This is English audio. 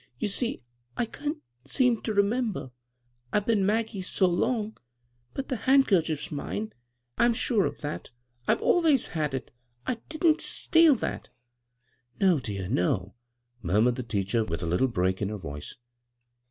" You see, I — I can't seem to re member. I've been * Maggie ' so long ; but the handkerchief's mine ; I'm sure of that I've always had it 1 — I didn't steal that I " "No, dear, no," murmured the teacher with a little break in her voice.